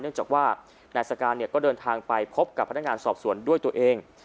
จากว่านายสการก็เดินทางไปพบกับพนักงานสอบสวนด้วยตัวเอง